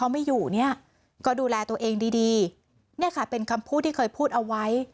มันเป็นคำพูดที่เคยพูดเอาไว้